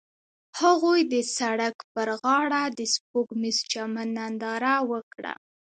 هغوی د سړک پر غاړه د سپوږمیز چمن ننداره وکړه.